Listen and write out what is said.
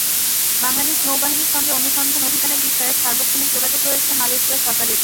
বাংলাদেশ নৌবাহিনীর সঙ্গে অনুসন্ধান অভিযানের বিষয়ে সার্বক্ষণিক যোগাযোগ রয়েছে মালয়েশিয়া সরকারের।